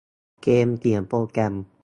เกมเขียนโปรแกรม